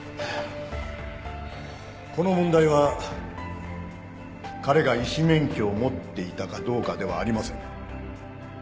この問題は彼が医師免許を持っていたかどうかではありません。